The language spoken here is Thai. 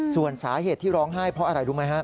ส่วนสาเหตุที่ร้องไห้เพราะอะไรรู้ไหมฮะ